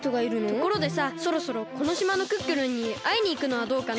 ところでさそろそろこのしまのクックルンにあいにいくのはどうかな？